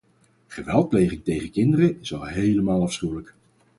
Geweldpleging tegen kinderen is al helemaal afschuwelijk.